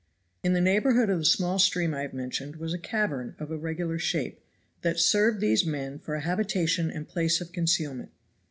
In the neighborhood of the small stream I have mentioned was a cavern of irregular shape that served these men for a habitation and place of concealment.